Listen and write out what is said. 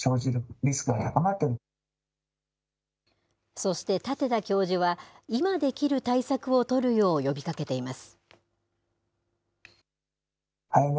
そして舘田教授は、今できる対策を取るよう呼びかけています。